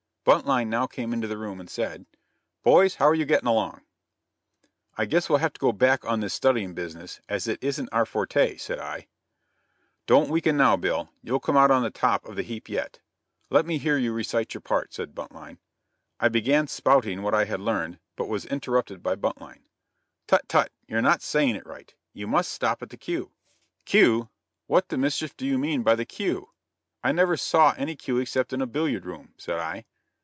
Buntline now came into the room and said: "Boys, how are you getting along?" "I guess we'll have to go back on this studying business as it isn't our forte" said I. "Don't weaken now, Bill; you'll come out on the top of the heap yet. Let me hear you recite your part," said Buntline. I began "spouting" what I had learned, but was interrupted by Buntline: "Tut! tut! you're not saying it right. You must stop at the cue." "Cue! What the mischief do you mean by the cue? I never saw any cue except in a billiard room," said I.